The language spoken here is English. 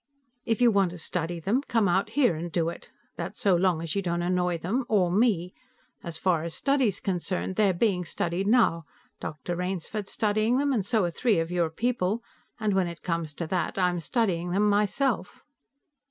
"If you want to study them, come out here and do it. That's so long as you don't annoy them, or me. As far as study's concerned, they're being studied now. Dr. Rainsford's studying them, and so are three of your people, and when it comes to that, I'm studying them myself."